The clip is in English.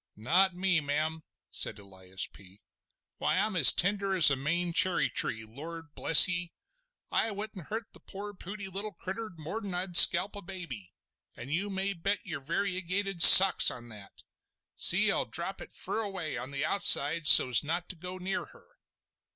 "Not me, ma'am," said Elias P. "Why, I'm as tender as a Maine cherry tree. Lor, bless ye. I wouldn't hurt the poor pooty little critter more'n I'd scalp a baby. An' you may bet your variegated socks on that! See, I'll drop it fur away on the outside so's not to go near her!"